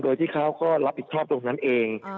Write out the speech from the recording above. โดยที่เขาก็แล้วปลอสตราจตรงนั้นเอง